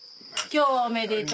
今日はおめでとう。